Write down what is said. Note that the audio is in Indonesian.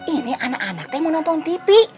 ini anak anak yang mau nonton tv